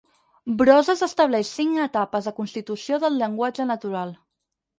Brosses estableix cinc etapes de constitució del llenguatge natural.